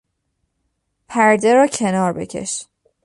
پرده را کنار بکش!